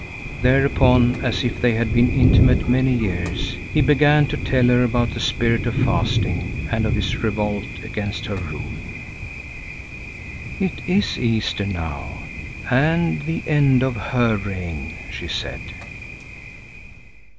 Thereupon, as if they had been intimate many years, he began to tell her about the Spirit of Fasting and of his revolt against her rule. "It is Easter now, and the end of her reign," she said.